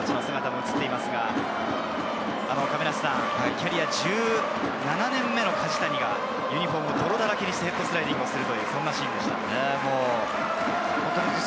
キャリア１７年目の梶谷がユニホームを泥だらけにして、ヘッドスライディングをするというシーンでした。